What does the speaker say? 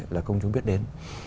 là công chúng biết đến